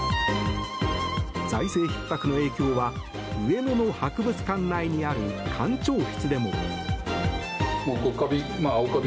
財政ひっ迫の影響は上野の博物館内にある館長室でも。